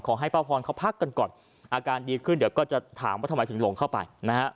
ขอให้พ่าพรชภักดิ์มีการพักกันก่อนอาการดีขึ้นเดี๋ยวก็ถามว่าทำไมถึงหลงเข้าไป